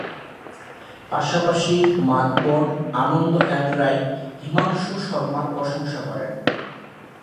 পাশাপাশি, মাধবন, আনন্দ এল রাই, হিমাংশু শর্মার প্রশংসা করেন।